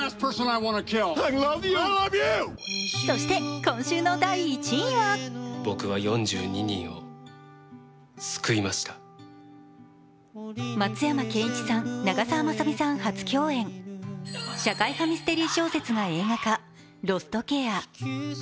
そして、今週の第１位は松山ケンイチさん、長澤まさみさん初共演、社会派ミステリー小説が映画化「ロストケア」。